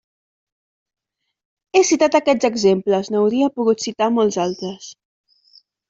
He citat aquests exemples; n'hauria pogut citar molts altres.